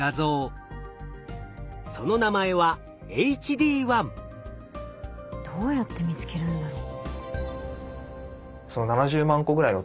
その名前はどうやって見つけるんだろう？